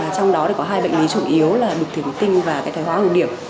trong đó có hai bệnh lý chủ yếu là đục thủy tinh và thời hóa hương điểm